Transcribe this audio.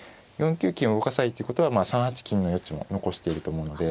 ４九金を動かさないっていうことは３八金の余地も残していると思うので。